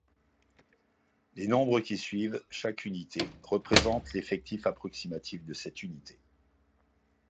Les nombres qui suivent chaque unité représentent l'effectif approximatif de cette unité.